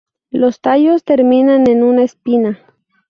Los tallos terminan en una espina.